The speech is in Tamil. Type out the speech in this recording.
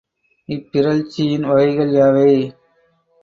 இப்பிறழ்ச்சியின் வகைகள் யாவை?